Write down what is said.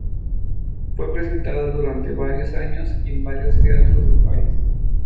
Fue presentada durante varios años y en varios teatros del país.